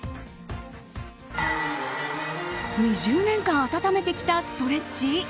２０年間温めてきたストレッチ？